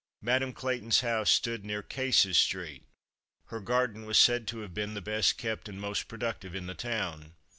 Madame Clayton's house stood near Cases street. Her garden was said to have been the best kept and most productive in the town.